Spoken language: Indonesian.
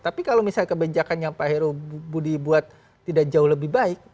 tapi kalau misalnya kebijakan yang pak heru budi buat tidak jauh lebih baik